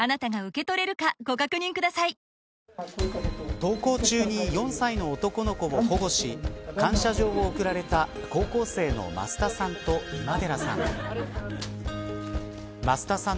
登校中に４歳の男の子を保護し感謝状を贈られた高校生の増田さんと今寺さん。